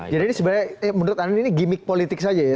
jadi ini sebenarnya menurut anda ini gimmick politik saja ya